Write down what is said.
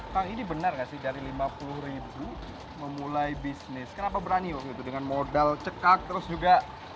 kang ini benar gak sih dari lima puluh ribu memulai bisnis kenapa berani waktu itu dengan modal cekak terus juga